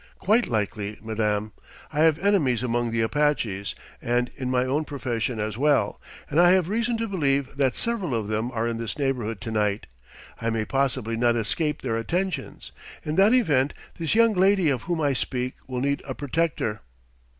"Quite likely, madame: I have enemies among the Apaches, and in my own profession as well; and I have reason to believe that several of them are in this neighbourhood tonight. I may possibly not escape their attentions. In that event, this young lady of whom I speak will need a protector."